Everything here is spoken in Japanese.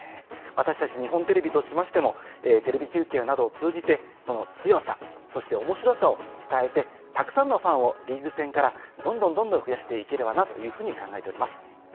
私たち日本テレビとしましてもテレビ中継などを通じてその強さそして面白さを伝えてたくさんのファンをリーグ戦からどんどんどんどん増やして行ければなというふうに考えております。